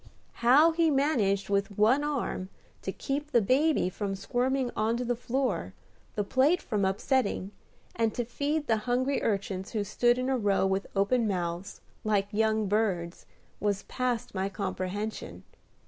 How he managed with one arm to keep the baby from squirming on to the floor, the plate from upsetting, and to feed the hungry urchins who stood in a row with open mouths, like young birds, was past my comprehension.